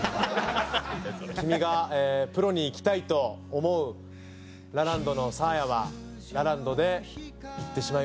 君がプロにいきたいと思うラランドのサーヤはラランドでいってしまいます。